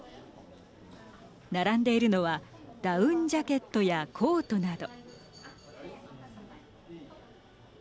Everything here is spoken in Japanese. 並んでいるのはダウンジャケットやコートなど。